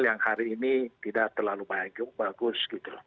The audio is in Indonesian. yang hari ini tidak terlalu bagus gitu